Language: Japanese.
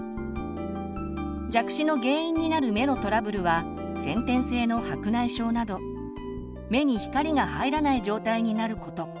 弱視の原因になる目のトラブルは先天性の白内障など目に光が入らない状態になること。